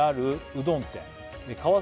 うどん店？